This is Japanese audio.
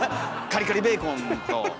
カリカリベーコンと。